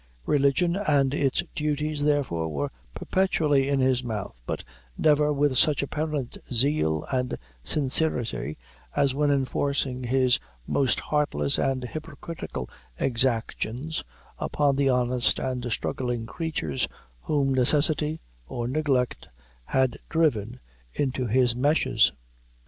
Religion and its duties, therefore, were perpetually in his mouth but never with such apparent zeal and sincerity as when enforcing his most heartless and hypocritical exactions upon the honest and struggling creatures whom necessity or neglect had driven into his meshes.